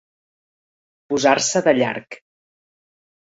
Posar-se de llarg.